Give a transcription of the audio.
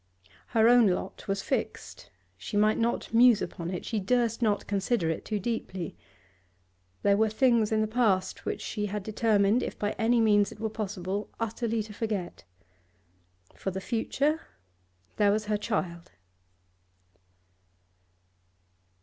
Her own lot was fixed; she might not muse upon it, she durst not consider it too deeply. There were things in the past which she had determined, if by any means it were possible, utterly to forget. For the future, there was her child.